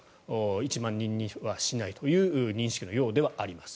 １万人にはしないという認識のようではあります。